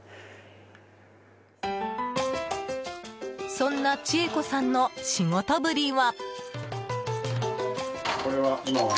そんな千恵子さんの仕事ぶりは。